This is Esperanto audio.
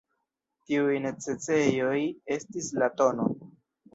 Tiuj necesejoj estis la tn.